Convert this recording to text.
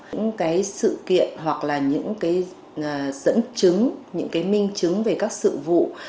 những sự kiện hoặc là những dẫn chứng những minh chứng về các sự vụ